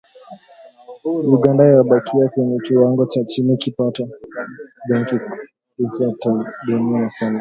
"Uganda yabakia kwenye kiwango cha chini kipato'', Benki ya Dunia yasema